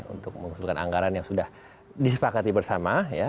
untuk mengusulkan anggaran yang sudah disepakati bersama